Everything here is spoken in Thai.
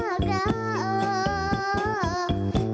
น้ำตาตกโคให้มีโชคเมียรสิเราเคยคบกันเหอะน้ำตาตกโคให้มีโชค